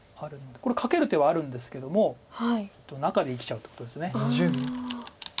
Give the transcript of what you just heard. これカケる手はあるんですけども中で生きちゃうってことです。